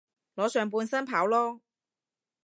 裸上半身跑囉